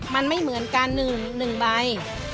มันไม่เหมือนกัน๑ใบ